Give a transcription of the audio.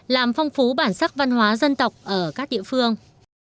làm phong phú bản sắc văn hóa dân tộc ở các địa phương